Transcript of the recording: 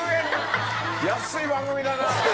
安い番組だなって。